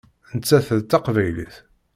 Nettat d taqbaylit.